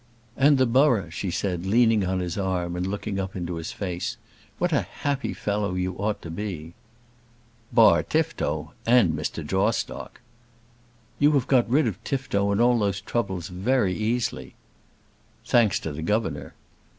"And the borough," she said, leaning on his arm and looking up into his face. "What a happy fellow you ought to be." "Bar Tifto, and Mr. Jawstock." "You have got rid of Tifto and all those troubles very easily." "Thanks to the governor."